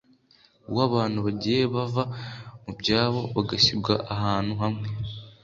uw’abantu bagiye bava mu byabo bagashyirwa ahantu hamwe